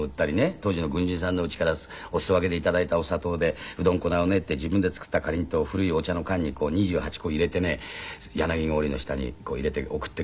当時の軍人さんの家からお裾分けで頂いたお砂糖でうどん粉を練って自分で作ったかりんとう古いお茶の缶に２８個入れてね柳ごうりの下に入れて送ってくれて。